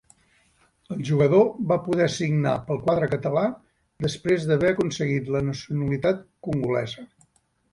El jugador va poder signar pel quadre català després d'haver aconseguit la nacionalitat congolesa.